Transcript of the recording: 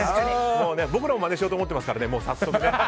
僕らもまねしようと思ってますから、早速。